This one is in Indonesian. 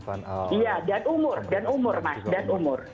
iya dan umur dan umur mas dan umur